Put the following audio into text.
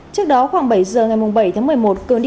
trước đó khoảng bảy h ngày bảy tháng một mươi một